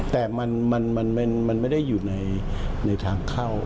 แต่มันไม่ได้อยู่ในทางเข้า